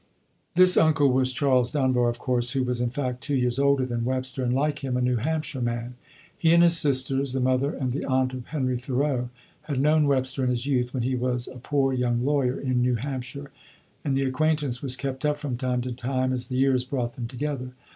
'" This uncle was Charles Dunbar, of course, who was in fact two years older than Webster, and, like him, a New Hampshire man. He and his sisters the mother and the aunt of Henry Thoreau had known Webster in his youth, when he was a poor young lawyer in New Hampshire; and the acquaintance was kept up from time to time as the years brought them together.